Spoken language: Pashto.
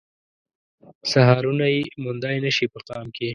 سحرونه يې موندای نه شي په قام کې